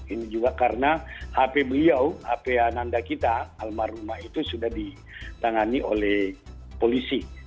ini juga karena hp beliau hp ananda kita almarhumah itu sudah ditangani oleh polisi